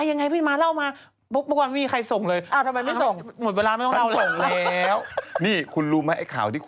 อ้าวเราคุยเรื่องอื่นคุณโชคเขาก็